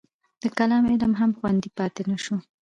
د کلام علم هم خوندي پاتې نه شو.